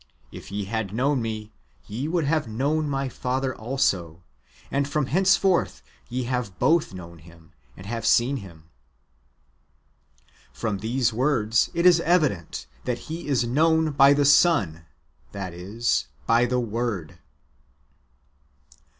If ye had known me, ye would have known my Father also : and from henceforth ye have both known Him, and have seen Him." ^ From these words it is evident, that He is known by the Son, that is, by the Word.